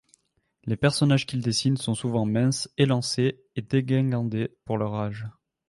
Les personnages qu'il dessine sont souvent minces, élancés et dégingandés pour leur ages.